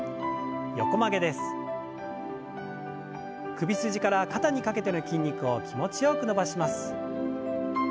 首筋から肩にかけての筋肉を気持ちよく伸ばします。